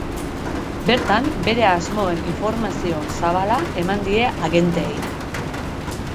Bertan bere asmoen informazio zabala eman die agenteei.